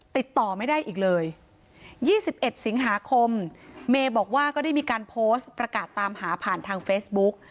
ติดต่อไม่ได้อีกเลย๒๑สิงหาคมเมย์บอกว่าก็ได้มีการโพสต์ประกาศตามหาผ่านทางเฟซบุ๊ก